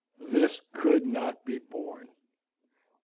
This could not be borne.